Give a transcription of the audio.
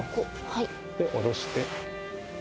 で下ろして。